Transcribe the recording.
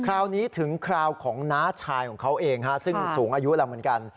คราวนี้ถึงคราวของน้าชายของเขาเองซึ่งสูงอายุแล้วเหมือนกัน